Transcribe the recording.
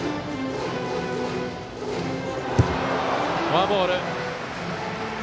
フォアボール。